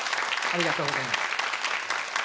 ありがとうございます。